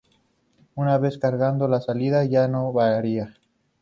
Una vez cargado, la salida ya no varía.